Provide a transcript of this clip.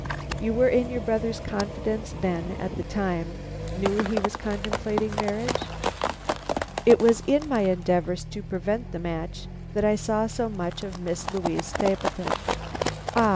"You were in your brother's confidence, then, at that time; knew he was contemplating marriage?" "It was in my endeavors to prevent the match that I saw so much of Miss Louise Stapleton." "Ah!